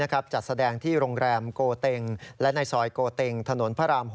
ผมอย่างง่ายพุ่งต้าย